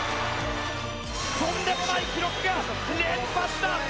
とんでもない記録が連発だ！